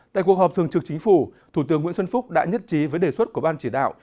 tại cuộc họp thường trực chính phủ thủ tướng nguyễn xuân phúc đã nhất trí với đề xuất của ban chỉ đạo